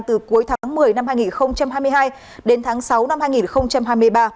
từ cuối tháng một mươi năm hai nghìn hai mươi hai đến tháng sáu năm hai nghìn hai mươi ba